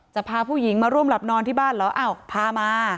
พาผู้หญิงมาร่วมหลับนอนที่บ้านเหรออ้าวพามา